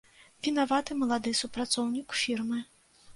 Вінаваты малады супрацоўнік фірмы.